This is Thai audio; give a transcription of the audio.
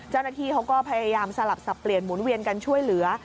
เจ้าหน้าที่เขาก็พยายามสลับสับเปลี่ยนหมุนเวียนกันช่วยเหลือ